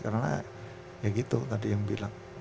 karena ya gitu tadi yang bilang